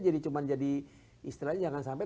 jadi cuman jadi istilahnya jangan sampai